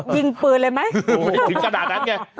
ยิงปืนเลยมั้ยโอ้โหไม่ถือกนั่นไง